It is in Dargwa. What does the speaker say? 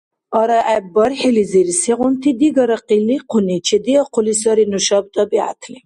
Арагӏеб бархӏилизир сегъунти-дигара къиликъуни чедиахъули сари нушаб тӏабигӏятли.